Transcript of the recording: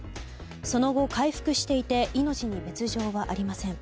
その後、回復していて命に別条はありません。